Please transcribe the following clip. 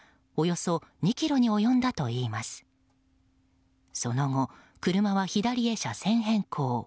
その後、車は左へ車線変更。